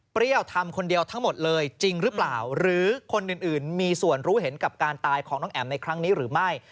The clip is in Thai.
ทำคนเดียวทั้งหมดเลยจริงหรือเปล่าหรือคนอื่นมีส่วนรู้เห็นกับการตายของน้องแอ๋มในครั้งนี้หรือไม่